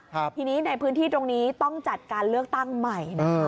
ทีนี้ในพื้นที่ตรงนี้ต้องจัดการเลือกตั้งใหม่นะคะ